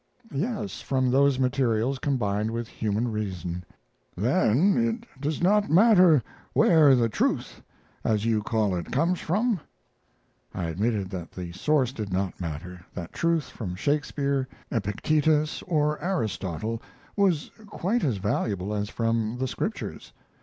"Yes, from those materials combined with human reason." "Then it does not matter where the truth, as you call it, comes from?" I admitted that the source did not matter; that truth from Shakespeare, Epictetus, or Aristotle was quite as valuable as from the Scriptures.